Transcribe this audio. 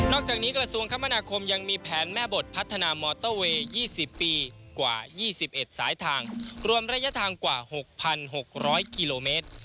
จากนี้กระทรวงคมนาคมยังมีแผนแม่บทพัฒนามอเตอร์เวย์๒๐ปีกว่า๒๑สายทางรวมระยะทางกว่า๖๖๐๐กิโลเมตร